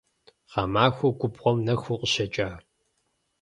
Гъэмахуэу губгъуэм нэху укъыщекӀа?